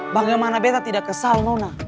bagaimana beta tidak kesal nona